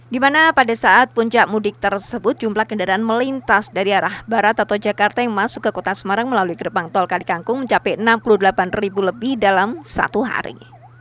di mana pada saat puncak mudik tersebut jumlah kendaraan melintas dari arah barat atau jakarta yang masuk ke kota semarang melalui gerbang tol kalikangkung mencapai enam puluh delapan ribu lebih dalam satu hari